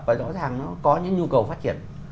và rõ ràng nó có những nhu cầu phát triển